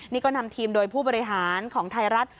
นี่ก็นำทีมโดยผู้บริหารของไทยรัฐ